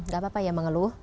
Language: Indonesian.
gak apa apa ya mengeluh